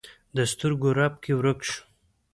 د سترګو رپ کې ورک شو